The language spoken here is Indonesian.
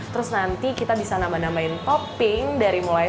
terus nanti kita bisa nambah nambahin topping dari mulai